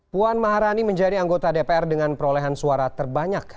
puan maharani menjadi anggota dpr dengan perolehan suara terbanyak